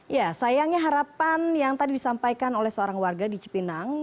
ya sayangnya harapan yang tadi disampaikan oleh seorang warga di cipinang